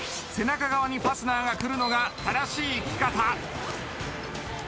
背中側にファスナーがくるのが正しい着方。